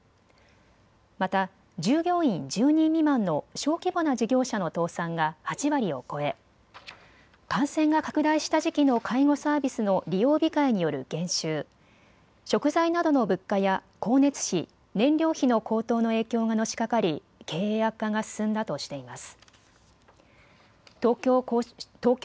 また従業員１０人未満の小規模な事業者の倒産が８割を超え感染が拡大した時期の介護サービスの利用控えによる減収、食材などの物価や光熱費、燃料費の高騰の影響がのしかかり経営悪化が進んだとしています。